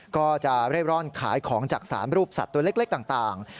ก็จะเร่ร่อนขายของจาก๓รูปสัตว์ตัวเล็กต่าง